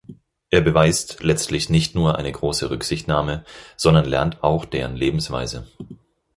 Er beweist letztlich nicht nur eine große Rücksichtnahme, sondern lernt auch deren Lebensweise.